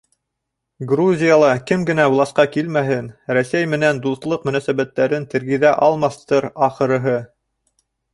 Грузияла кем генә власҡа килмәһен, Рәсәй менән дуҫлыҡ мөнәсәбәттәрен тергеҙә алмаҫтыр, ахырыһы.